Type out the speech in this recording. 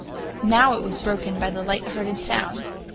Now it was broken by light hearted sounds.